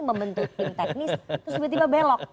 membentuk tim teknis terus tiba tiba belok